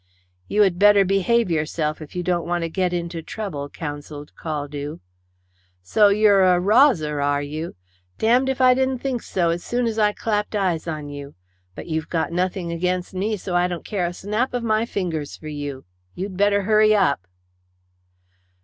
"You had better behave yourself if you don't want to get into trouble," counselled Caldew. "So you're a rozzer, are you? D d if I didn't think so soon as I clapped eyes on you. But you've got nothing against me, so I don't care a snap of my fingers for you. You'd better hurry up."